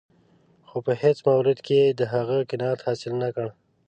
خو په هېڅ مورد کې یې د هغه قناعت حاصل نه کړ.